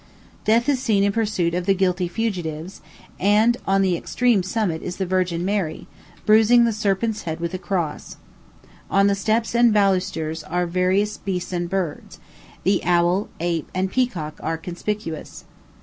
Death is seen in pursuit of the guilty fugitives; and on the extreme summit is the Virgin Mary, bruising the serpent's head with a cross. On the steps and balusters are various beasts and birds; the owl, ape, and peacock are conspicuous.